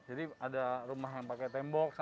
jadi ada rumah yang pakai tembok